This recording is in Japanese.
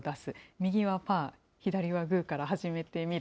右はパー、左はグーから始めてみる。